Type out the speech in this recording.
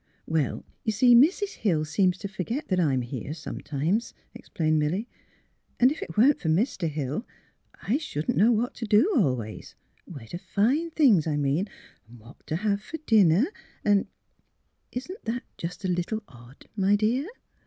"" Well, you see Mrs. Hill seems to forget that I am here, sometimes," explained Milly, " and if it were not for Mr. Hill — I shouldn't know what to do always — where to find things, I mean, and what to have for dinner, and "" Isn't that just a little odd, my dear?